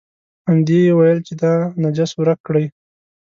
همدې یې ویل چې دا نجس ورک کړئ.